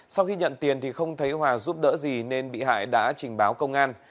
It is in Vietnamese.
sau khi nhận tiền thì không thấy hòa giúp đỡ gì nên bị hại đã trình báo công an